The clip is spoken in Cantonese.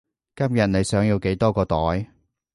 今日你想要幾多個袋？